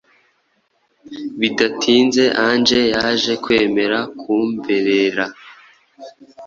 Bidatize Ange yaje kwemera kumberera